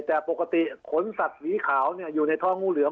แต่ปกติขนสัตว์สีขาวอยู่ในท้องงูเหลือม